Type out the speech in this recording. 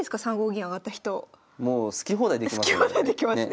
もう好き放題できますよね。